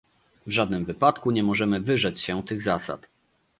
W żadnym wypadku nie możemy wyrzec się tych zasad